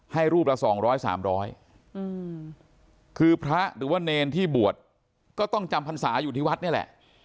ให้รูปละสองร้อยสามร้อยคือพระหรือว่าเนรที่บวชก็ต้องจำพรรษาอยู่ที่วัดเนี่ยแหละ